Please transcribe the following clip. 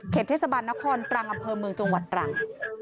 เทศบาลนครตรังอำเภอเมืองจังหวัดตรัง